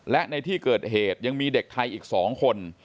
และในที่เกิดเหตุยังมีเด็กไทยอีก๒คน